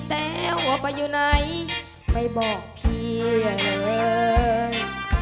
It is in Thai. เต๋วออกไปอยู่ไหนไม่บอกพี่เลย